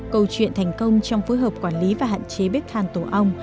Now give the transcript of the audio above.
câu chuyện thành công trong phối hợp quản lý và hạn chế bếp than tổ ong